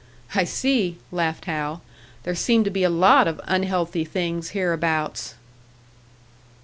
"I see," laughed Hal. "There seem to be a lot of unhealthy things hereabouts."